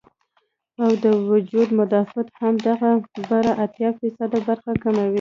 او د وجود مدافعت هم دغه بره اتيا فيصده برخه کموي